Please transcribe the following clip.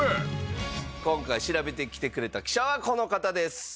今回調べてきてくれた記者はこの方です。